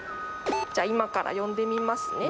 じゃあ今から呼んでみますね。